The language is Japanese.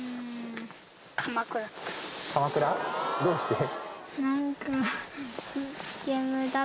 どうして？